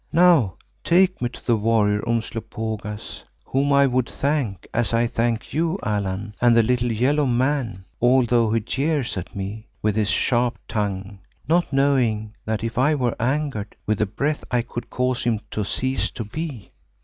Now take me to the warrior, Umslopogaas, whom I would thank, as I thank you, Allan, and the little yellow man, although he jeers at me with his sharp tongue, not knowing that if I were angered, with a breath I could cause him to cease to be."